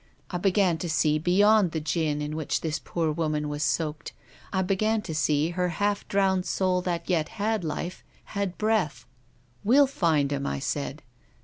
I began to see beyond the gin in which this poor woman was soaked ; I began to see her half drowned soul that yet had life, had breath. ''' We'll find him,' I said.